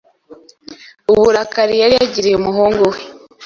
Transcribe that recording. uburakari yari yagiriye umuhungu we